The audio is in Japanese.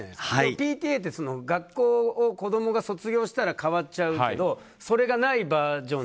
ＰＴＡって学校を子供が卒業したら代わっちゃうけどそれがないバージョン。